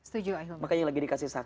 setuju makanya lagi dikasih satu